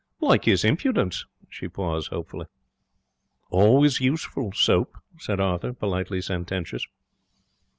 Like his impudence!' She paused, hopefully. 'Always useful, soap,' said Arthur, politely sententious.